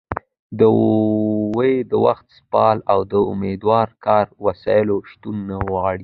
دوی د وخت سپما او دوامداره کاري وسایلو شتون نه غواړي